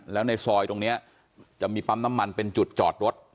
แล้วในซอยตรงนี้จะมีปั๊มน้ำมันเป็นจุดจอดรถ